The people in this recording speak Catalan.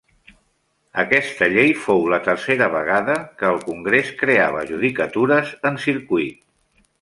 Aquesta llei fou la tercera vegada que el congrés creava judicatures en circuit.